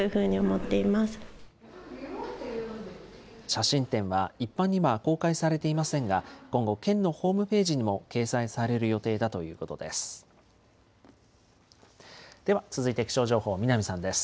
写真展は一般には公開されていませんが、今後、県のホームページにも掲載される予定だということです。